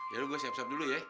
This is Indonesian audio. ya udah gue siap siap dulu ya